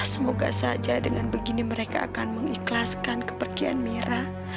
semoga saja dengan begini mereka akan mengikhlaskan kepergian mira